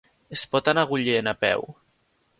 Es pot anar a Agullent a peu?